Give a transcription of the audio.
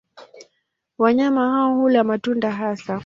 Wanyama hao hula matunda hasa.